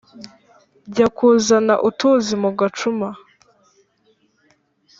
jya kuzana utuzi mu gacuma